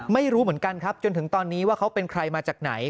ไม่รู้เหมือนกันครับจนถึงตอนนี้ว่าเขาเป็นใครมาจากไหน